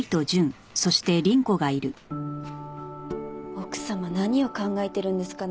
奥様何を考えてるんですかね。